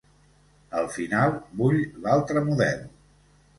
Al final vull l'altre model.